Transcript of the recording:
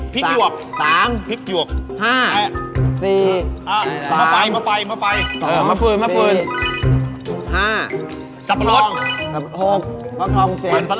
ปังบ่วง๒